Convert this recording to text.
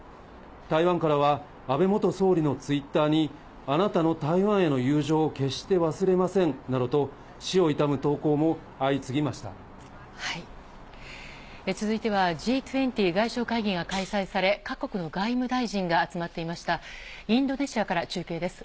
台湾からは安倍元総理のツイッターに、あなたの台湾への友情を決して忘れませんなどと死を悼む投稿も相続いてはＧ２０外相会議が開催され、各国の外務大臣が集まっていました、インドネシアから中継です。